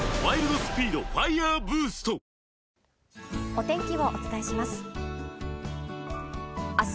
お天気をお伝えします。